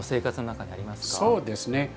そうですね